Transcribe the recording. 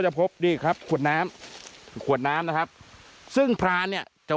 พบนี่ครับขวดน้ำขวดน้ำนะครับซึ่งพรานเนี่ยจะ